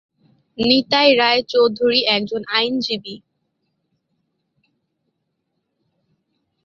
নিতাই রায় চৌধুরী একজন আইনজীবী।